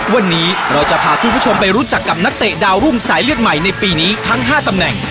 วันนี้เราจะพาคุณผู้ชมไปรู้จักกับนักเตะดาวรุ่งสายเลือดใหม่ในปีนี้ทั้ง๕ตำแหน่ง